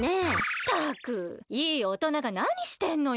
ったくいいおとながなにしてんのよ。